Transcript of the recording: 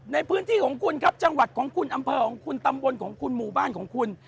ในพื้นที่ของคุณครับจังหวัดของคุณอำเภอของคุณตำบลของคุณหมู่บ้านของคุณ